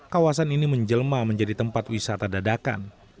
kawasan ini menjelma menjadi tempat wisata dadakan